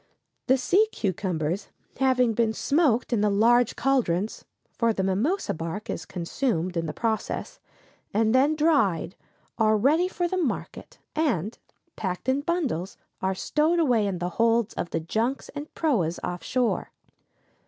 ] The sea cucumbers having been smoked in the large caldrons (for the mimosa bark is consumed in the process), and then dried, are ready for the market, and, packed in bundles, are stowed away in the holds of the junks and proas off shore.